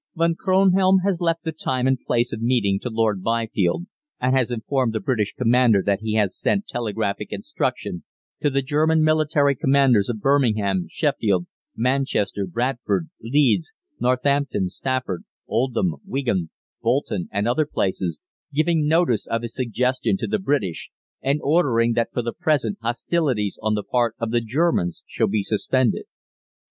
"Von Kronhelm has left the time and place of meeting to Lord Byfield, and has informed the British Commander that he has sent telegraphic instruction to the German military governors of Birmingham, Sheffield, Manchester, Bradford, Leeds, Northampton, Stafford, Oldham, Wigan, Bolton, and other places, giving notice of his suggestion to the British, and ordering that for the present hostilities on the part of the Germans shall be suspended.